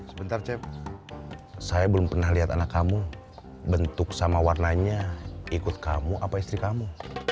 sebentar cep saya belum pernah lihat anak kamu bentuk sama warnanya ikut kamu apa istri kamu